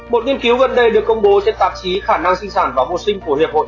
một nghiên cứu gần đây được công bố trên tạp chí khả năng sinh sản và vô sinh của hiệp hội